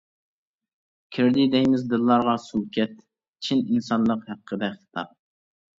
كىردى دەيمىز دىللارغا سۈلكەت، چىن ئىنسانلىق ھەققىدە خىتاب!